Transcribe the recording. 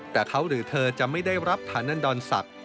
แต่เขาหรือเธอจะไม่ได้รับฐานันดรศักดิ์